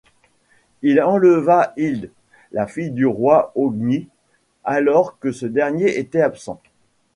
Il enleva Hild, la fille du roi Hogni alors que ce dernier était absent.